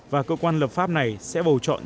và cơ quan lập pháp này sẽ bầu chọn